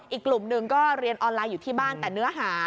อีกกลุ่มหนึ่งก็เรียนออนไลน์อยู่ที่บ้านแต่เนื้อหา